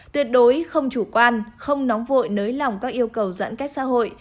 tuyệt đối không chủ quan không nóng vội nới lỏng các yêu cầu giãn cách xã hội